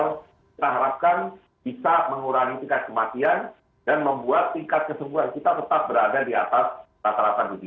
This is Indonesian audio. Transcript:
kita harapkan bisa mengurangi tingkat kematian dan membuat tingkat kesembuhan kita tetap berada di atas rata rata dunia